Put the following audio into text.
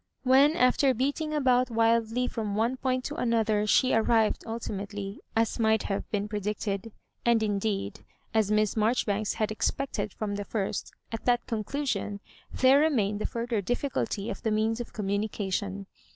When, after beating about wildly from one point T to another, she arrived ultimately, as might have been predicted, and indeed as Miss Marjoribanks had expected from the first, at that conclusion, there remained the further difficulty of the means of communication.